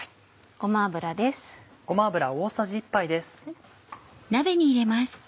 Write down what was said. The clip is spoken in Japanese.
ごま油です。